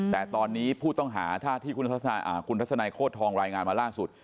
แต่ตอนนี้ผู้ต้องหาถ้าที่คุณทัศนัยโคตรทองรายงานมาล่าสุด